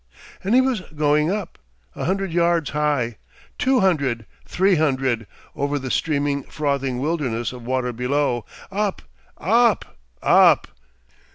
And he was going up, a hundred yards high, two hundred, three hundred, over the streaming, frothing wilderness of water below up, up, up.